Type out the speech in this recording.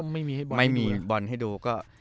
ไม่มีบอลให้ดู